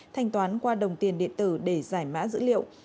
thanh toán qua đồng tiền điện tử để giải mã dữ liệu